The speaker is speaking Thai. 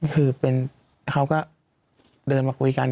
คือเขาก็เดินมาคุยกัน